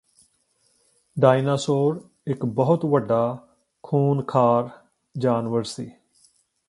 dinosaur ਇੱਕ ਬਹੁਤ ਵੱਡਾ ਖ਼ੂਨ ਖ਼ਾਰ ਜਾਨਵਰ ਸੀ